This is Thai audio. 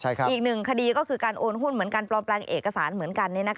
อีกหนึ่งคดีก็คือการโอนหุ้นเหมือนกันปลอมแปลงเอกสารเหมือนกัน